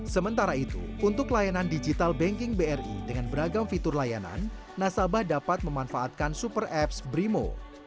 sementara itu untuk layanan digital banking bri dengan beragam fitur layanan nasabah dapat memanfaatkan super apps brimo